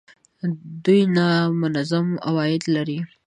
دوی نامنظم عواید لري